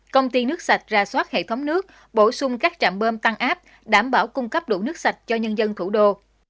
công ty nước sạch ra soát hệ thống nước bổ sung các trạm bơm tăng áp đảm bảo cung cấp đủ nước sạch cho nhân dân thủ đô